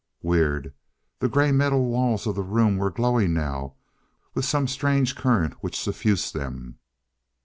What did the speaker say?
Weird. The grey metal walls of the room were glowing now with some strange current which suffused them.